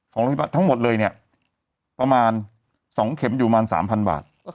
โรงพยาบาลทั้งหมดเลยเนี่ยประมาณ๒เข็มอยู่ประมาณ๓๐๐บาท